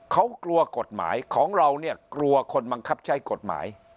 เขากลัวกฎหมายของเราเนี่ยกลัวคนบังคับใช้กฎหมาย